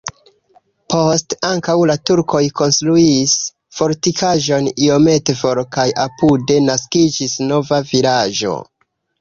Poste ankaŭ la turkoj konstruis fortikaĵon iomete for kaj apude naskiĝis nova vilaĝo.